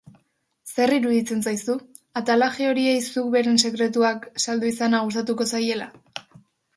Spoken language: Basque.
Zer iruditzen zaizu, atalaje horiei zuk beren sekretuak saldu izana gustatuko zaiela?